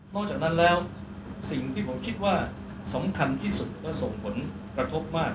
จากนั้นแล้วสิ่งที่ผมคิดว่าสำคัญที่สุดและส่งผลกระทบมาก